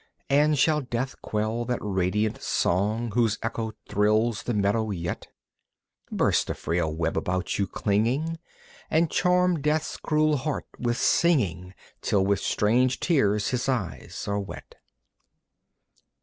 And shall Death quell that radiant song Whose echo thrills the meadow yet? Burst the frail web about you clinging And charm Death's cruel heart with singing Till with strange tears his eyes are wet.